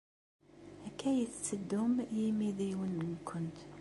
Akka ay tetteddum i yimidiwen-nwent?